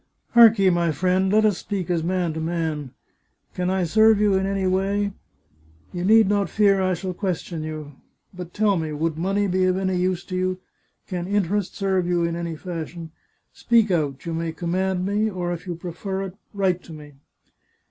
" Hark ye, my friend, let us speak as man to man. Can I serve you in any way ? You need not fear I shall question you. But tell me, would money be of any use to you ? Can interest serve you in any fashion? Speak out; you may command me — or, if you prefer it, write to me."